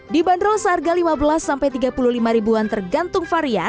di bandrol seharga rp lima belas rp tiga puluh lima tergantung varian